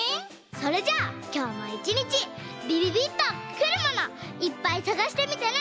それじゃあきょうもいちにちびびびっとくるものいっぱいさがしてみてね。